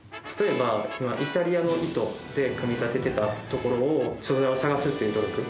例えばイタリアの糸で組み立ててたところを素材を探すっていう努力。